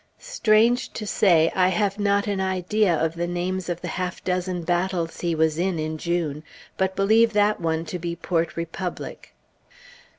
Strange to say, I have not an idea of the names of the half dozen battles he was in, in June, but believe that one to be Port Republic.